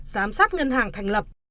giám sát ngân hàng thành lập